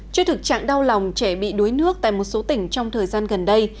trước thực trạng đau lòng trẻ bị đuối nước tại một số tỉnh trong thời gian gần đây